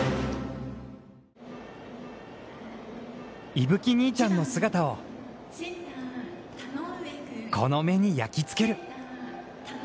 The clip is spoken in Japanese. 勇吹兄ちゃんの姿をこの目に焼き付ける！